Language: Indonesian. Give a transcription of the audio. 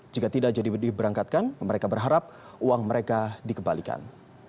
jika tidak jadi diberangkatkan mereka berharap uang mereka dikembalikan